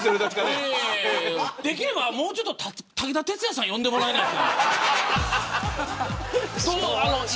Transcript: できればもうちょっと武田鉄矢さん呼んでもらえないかな。